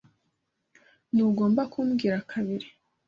Ntugomba kumbwira kabiri